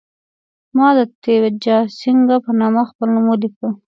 ما د تیجاسینګه په نامه خپل نوم ولیکه.